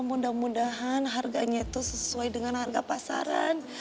mudah mudahan harganya itu sesuai dengan harga pasaran